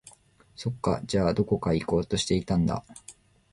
そっか、じゃあ、どこか行こうとしていたんだ